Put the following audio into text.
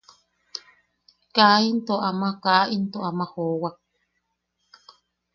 Kaa into ama kaa into ama joowak.